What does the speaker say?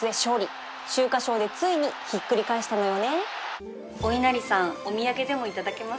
秋華賞でついにひっくり返したのよね